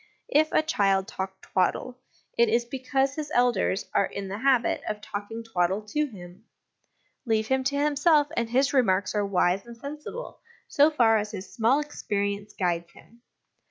If a child talk twaddle, it is because his elders are in the habit of talking twaddle to him ; leave him to himself, and his remarks are wise and sensible so far as his small experience guides him.